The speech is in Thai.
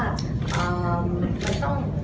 เราต้อง